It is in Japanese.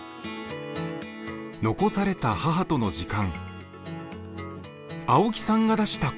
残された母との時間。